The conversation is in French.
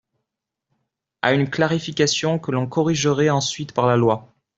à une clarification que l’on corrigerait ensuite par la loi.